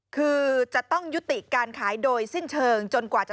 คือจะต้องยุติการขายโดยสิ้นเชิง